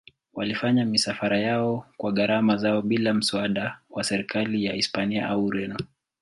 Walifanya misafara yao kwa gharama zao bila msaada wa serikali ya Hispania au Ureno.